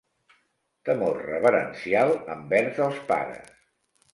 Temor reverencial envers els pares.